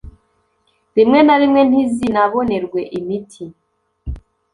rimwe na rimwe ntizinabonerwe imiti